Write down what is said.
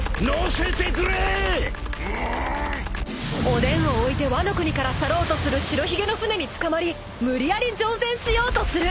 ［おでんを置いてワノ国から去ろうとする白ひげの船につかまり無理やり乗船しようとする］